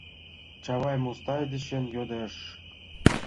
Чавай Мустай дечын йодеш: